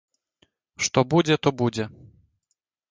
Што будзе, то будзе.